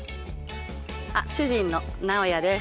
あっ主人の直也です。